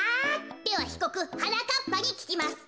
ではひこくはなかっぱにききます。